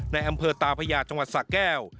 ในอำเภอตาพญาจังหวัดสะแก้ว